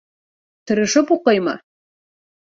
Тырышып уҡыймы?..